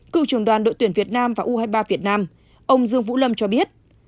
cựu trưởng đoàn đội tuyển việt nam và u hai mươi ba việt nam ông dương vũ lâm cho biết